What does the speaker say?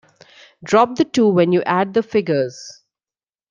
Drop the two when you add the figures.